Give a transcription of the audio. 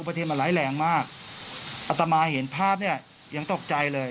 ประเทศมันร้ายแรงมากอัตมาเห็นภาพเนี่ยยังตกใจเลย